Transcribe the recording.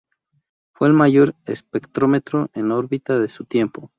Fue el mayor espectrómetro en órbita de su tiempo.